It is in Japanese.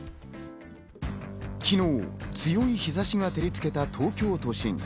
昨日、強い日差しが照りつけた東京都心。